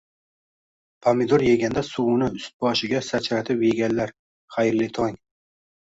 Pomidor yeganda suvini ust-boshiga sachratib yeganlar, xayrli tong!